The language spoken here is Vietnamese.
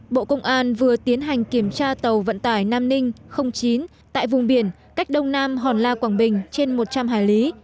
bộ công an vừa tiến hành kiểm tra tàu vận tải nam ninh chín tại vùng biển cách đông nam hòn la quảng bình trên một trăm linh hải lý